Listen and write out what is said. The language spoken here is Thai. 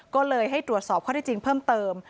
ก็เลยให้ตรวจสอบข้อได้จริงเพิ่มเติม